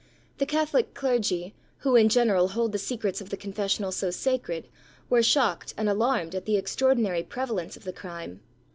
The Catholic clergy, who in general hold the secrets of the confessional so sacred, were shocked and alarmed at the extraordinary prevalence of the crime.